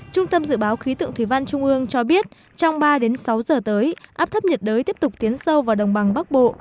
trung tâm dự báo khí tượng thủy văn trung ương cho biết trong ba sáu giờ tới áp thấp nhiệt đới tiếp tục tiến sâu vào đồng bằng bắc bộ